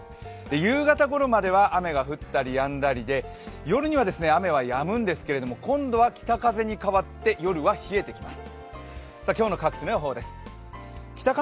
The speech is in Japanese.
夕方ごろまでは雨が降ったりやんだりで、夜は雨はやむんですけれども、今度は北風に変わって夜は冷えてきます。